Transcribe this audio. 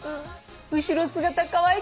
後ろ姿かわいくない？